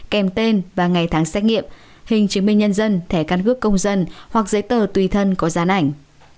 kèm tên và ngày tháng xét nghiệm hình chứng minh nhân dân thẻ căn cước công dân hoặc giấy tờ tùy thân có gián ảnh